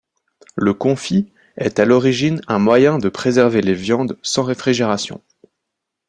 Le confit est à l'origine un moyen de préserver les viandes sans réfrigération.